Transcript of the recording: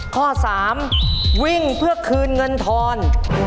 ข้อ๓วิ่งเพื่อคืนเงินทอน